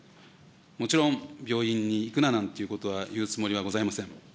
もちろん、病院に行くななんていうことは言うつもりはございません。